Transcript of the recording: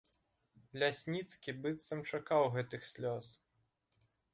Лясніцкі быццам чакаў гэтых слёз.